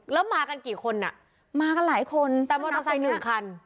แล้วมากันกี่คนอ่ะมากันหลายคนแต่มอเตอร์ไซค์หนึ่งคัน